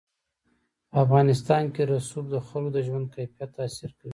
په افغانستان کې رسوب د خلکو د ژوند کیفیت تاثیر کوي.